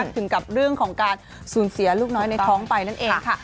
ถึงกับเรื่องของการสูญเสียลูกน้อยในท้องไปนั่นเองค่ะ